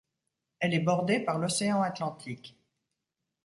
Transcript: Elle est bordée par l'Océan Atlantique.